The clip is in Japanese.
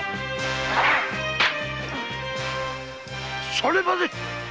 それまで！